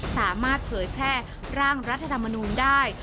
สามารถเผยแพร่ร่างรัฐธรรมนุมได้